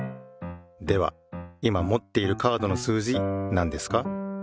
では今もっているカードの数字なんですか？